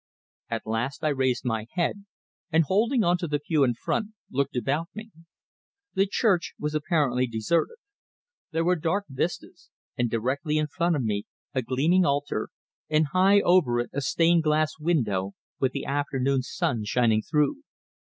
At last I raised my head, and holding on to the pew in front, looked about me. The church was apparently deserted. There were dark vistas; and directly in front of me a gleaming altar, and high over it a stained glass window, with the afternoon sun shining through.